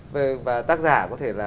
và tác giả có thể là